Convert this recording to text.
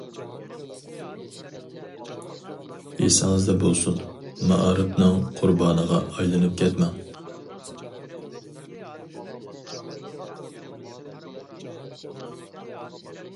ئېسىڭىزدە بولسۇن: مائارىپنىڭ قۇربانىغا ئايلىنىپ كەتمەڭ.